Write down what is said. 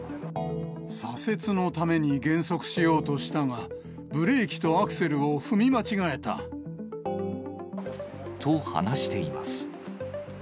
左折のために減速しようとしたが、ブレーキとアクセルを踏み間違えた。と話しています。